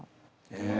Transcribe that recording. へえ。